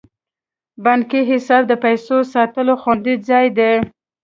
بانکي حساب د پیسو ساتلو خوندي ځای دی.